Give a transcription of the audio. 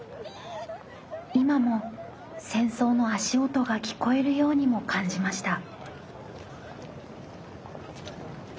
今も戦争の足音が聴こえるようにも感じました。